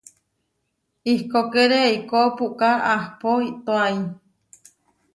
Ihkókere eikó puʼká ahpó itóai.